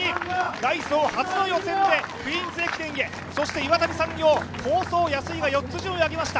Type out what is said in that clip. ダイソー初の予選で「クイーンズ駅伝」へそして岩谷産業、好走安井が４つ順位を上げました。